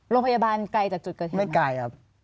โรงพยาบาลไกลจากจุดเกิดเทียบไหม